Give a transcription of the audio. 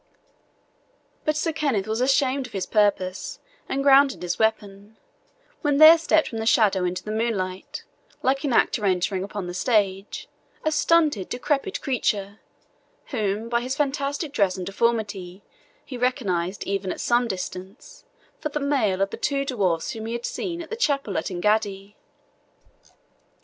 But Sir Kenneth was ashamed of his purpose, and grounded his weapon, when there stepped from the shadow into the moonlight, like an actor entering upon the stage, a stunted, decrepit creature, whom, by his fantastic dress and deformity, he recognized, even at some distance, for the male of the two dwarfs whom he had seen in the chapel at Engaddi.